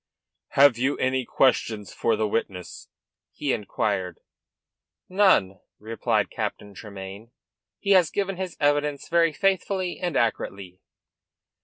"Have you any questions for the witness?" he inquired. "None," replied Captain Tremayne. "He has given his evidence very faithfully and accurately."